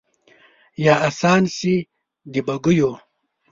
یا آسان شي د بګیو